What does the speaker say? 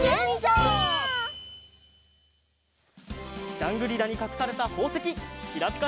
ジャングリラにかくされたほうせききらぴか